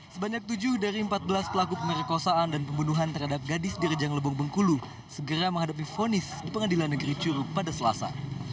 sebanyak tujuh dari empat belas pelaku pemerkosaan dan pembunuhan terhadap gadis di rejang lebong bengkulu segera menghadapi fonis di pengadilan negeri curug pada selasa